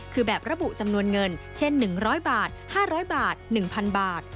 คือแบบระบุจำนวนเงินเช่น๑๐๐บาท๕๐๐บาท๑๐๐บาท